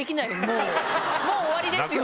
もう終わりですよね。